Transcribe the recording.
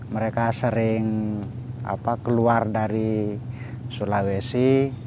mereka sering keluar dari sulawesi